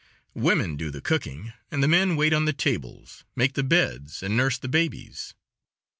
Women do the cooking, and the men wait on the tables, make the beds and nurse the babies.